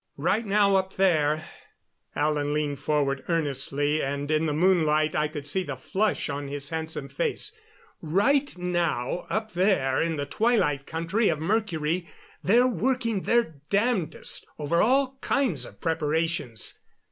"Right now up there" Alan leaned forward earnestly, and in the moonlight I could see the flush on his handsome face "right now up there in the Twilight Country of Mercury they're working their damnedest over all kinds of preparations.